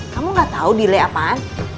kamu gak tahu delay apaan